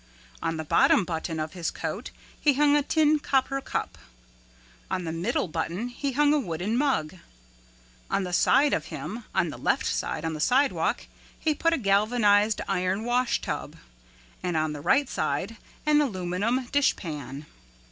On the bottom button of his coat he hung a tin copper cup. On the middle button he hung a wooden mug. By the side of him on the left side on the sidewalk he put a galvanized iron washtub, and on the right side an aluminum dishpan.